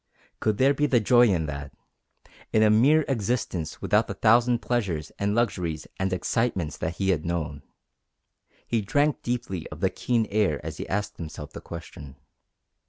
Could there be joy in that in a mere existence without the thousand pleasures and luxuries and excitements that he had known? He drank deeply of the keen air as he asked himself the question.